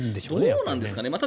どうなんですかね。